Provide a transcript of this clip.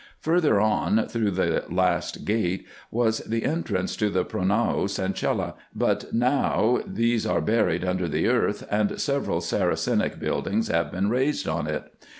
Further on, through the last gate, was the entrance to the pronaos and cella : but now these are buried under the earth, and several Saracenic buildings have been raised on it.